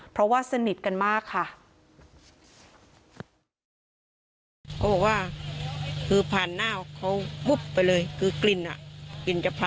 เพราะว่าสนิทกันมากค่ะ